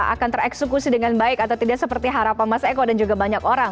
akan tereksekusi dengan baik atau tidak seperti harapan mas eko dan juga banyak orang